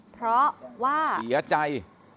เพราะว่าเสียใจ